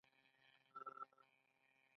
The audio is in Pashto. د کولمو د حرکت لپاره د انجیر شربت وکاروئ